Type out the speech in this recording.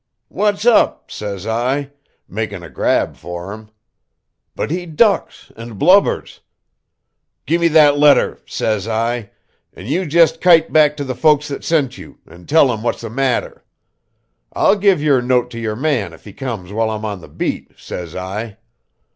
'What's up?' says I, makin' a grab for him. But he ducks an' blubbers. 'Gimme that letter,' says I, 'and you just kite back to the folks that sent you, and tell them what's the matter. I'll give your note to your man if he comes while I'm on the beat,' says I.